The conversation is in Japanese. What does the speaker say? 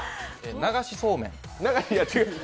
流しそうめん。